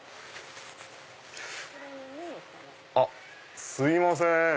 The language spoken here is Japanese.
あっすいません。